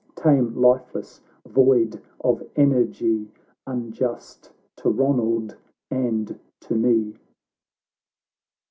Tame, lifeless, void of energy, Unjust to Ilonald and to me